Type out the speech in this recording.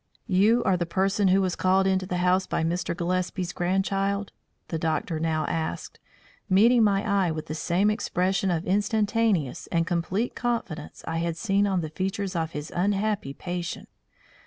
"You are the person who was called into the house by Mr. Gillespie's grandchild?" the doctor now asked, meeting my eye with the same expression of instantaneous and complete confidence I had seen on the features of his unhappy patient.